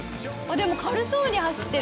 でも軽そうに走ってる。